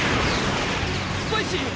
スパイシー！